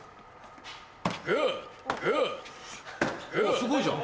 すごいじゃん。